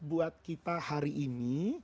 buat kita hari ini